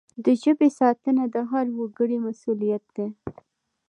د ژبي ساتنه د هر وګړي مسؤلیت دی.